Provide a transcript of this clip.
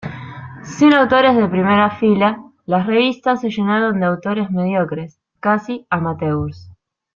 Sin autores de primera fila, las revistas se llenaron de autores mediocres, casi "amateurs".